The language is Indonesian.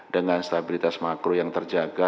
dengan stabilitas makro yang terjaga